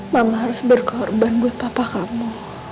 mama harus berkorban buat papa kamu